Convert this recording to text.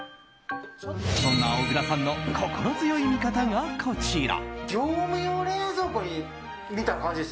そんな小倉さんの心強い味方がこちら。